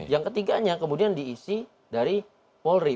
yang ketiganya kemudian diisi dari polri